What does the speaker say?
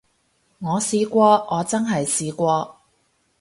我試過，我真係試過